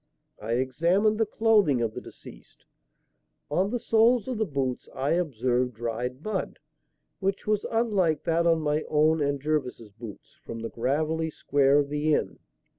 I examined the clothing of the deceased. On the soles of the boots I observed dried mud, which was unlike that on my own and Jervis's boots, from the gravelly square of the inn.